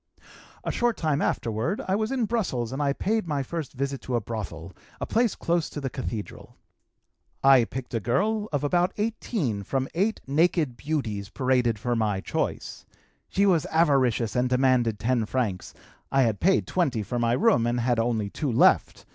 "A short time afterward I was in Brussels and I paid my first visit to a brothel, a place close to the Cathedral. I picked a girl of about 18 from eight naked beauties paraded for my choice. She was avaricious and demanded 10 francs, I had paid 20 for my room and had only 2 left.